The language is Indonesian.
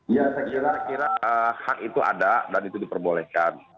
ya saya kira hak itu ada dan itu diperbolehkan